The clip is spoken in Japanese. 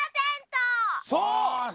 そう！